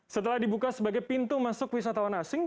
setelah dibuka sebagai pintu masuk wisatawan asing